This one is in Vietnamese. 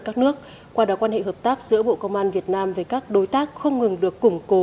các nước qua đó quan hệ hợp tác giữa bộ công an việt nam với các đối tác không ngừng được củng cố